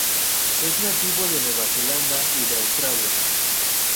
Es nativo de Nueva Zelanda y de Australia.